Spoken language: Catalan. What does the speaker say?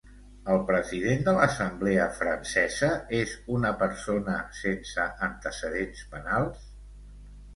El president de l'Assemblea Francesa és una persona sense antecedents penals?